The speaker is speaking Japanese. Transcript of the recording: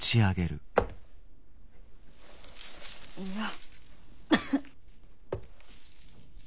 うわっ。